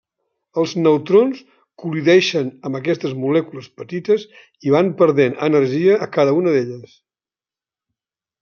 Els neutrons col·lideixen amb aquestes molècules petites i van perdent energia a cada una d'elles.